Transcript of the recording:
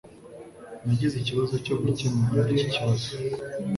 Nagize ikibazo cyo gukemura iki kibazo